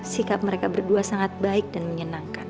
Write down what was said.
sikap mereka berdua sangat baik dan menyenangkan